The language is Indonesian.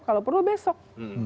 kalau perlu besok